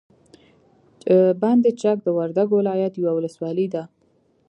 بند چک د وردګو ولایت یوه ولسوالي ده.